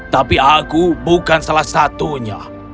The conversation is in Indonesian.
tapi aku bukan salah satunya